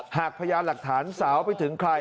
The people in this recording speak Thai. หากพยาบาลหลักฐานสาวไปถึงใคร